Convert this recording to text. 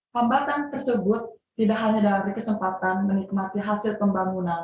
hambatan tersebut tidak hanya dari kesempatan menikmati hasil pembangunan